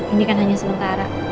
ini kan hanya sementara